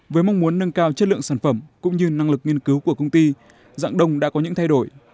với mong muốn nâng cao chất lượng sản phẩm cũng như năng lực nghiên cứu của công ty dạng đông đã có những thay đổi